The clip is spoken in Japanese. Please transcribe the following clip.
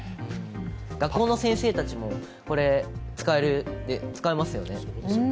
学校の先生たちも、これ、使えますよね。